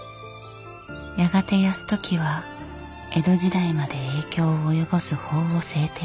やがて泰時は江戸時代まで影響を及ぼす法を制定する。